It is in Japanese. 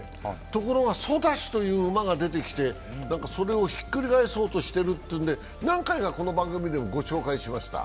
ところがソダシという馬が出てきて、それをひっくり返そうとしているということで何回かこの番組でもご紹介しました。